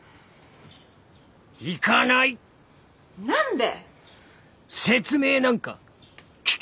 何で！？